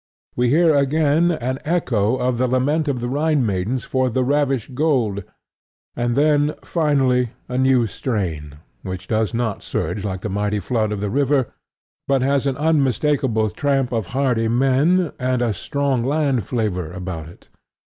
We hear again an echo of the lament of the Rhine maidens for the ravished gold; and then, finally, a new strain, which does not surge like the mighty flood of the river, but has an unmistakable tramp of hardy men and a strong land flavor about it.